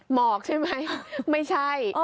หมอกใช่ไหมไม่ใช่